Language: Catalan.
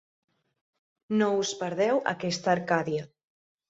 No us perdeu aquesta Arcàdia.